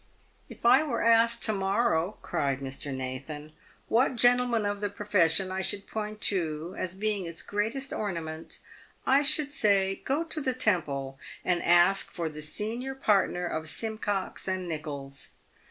"If I were asked to morrow," cried Mr. Nathan, " what gentleman of the profession I should point to as being its greatest ornament, I should say, ' Go to the Temple, and ask for the senior partner of Sim cox and Nicholls.'